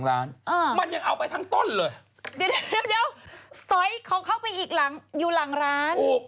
เดี๋ยวสอยขอเข้าไปอีกหลังอยู่หลังร้าน